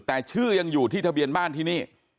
แต่ชื่อยังอยู่ที่ทะเบียนบ้านที่นี่